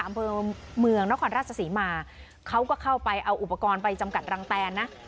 อำเภอเมืองนครราชศรีมาเขาก็เข้าไปเอาอุปกรณ์ไปจำกัดรังแตนนะ